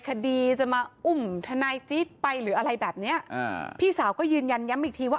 คดีจะมาอุ้มทนายจี๊ดไปหรืออะไรแบบเนี้ยอ่าพี่สาวก็ยืนยันย้ำอีกทีว่า